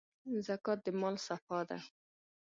زکات د مال صفا ده.